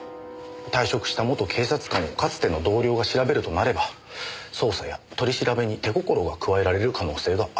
退職した元警察官をかつての同僚が調べるとなれば捜査や取り調べに手心が加えられる可能性がある。